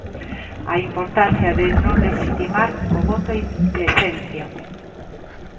A importancia de non lexitimar co voto a indecencia.